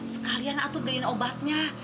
sekalian atau beliin obatnya